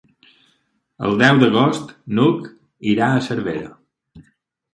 El deu d'agost n'Hug irà a Cervera.